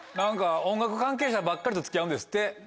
音楽関係者ばっかりと付き合うんですって。